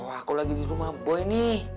aku lagi di rumah bu ini